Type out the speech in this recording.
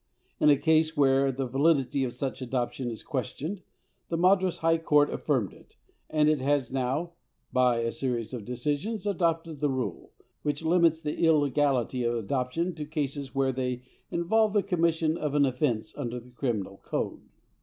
In a case where the validity of such adoption was questioned, the Madras High Court affirmed it, and it has now, "by a series of decisions, adopted the rule ... which limits the illegality of adoption to cases where they involve the commission of an offence under the Criminal Code."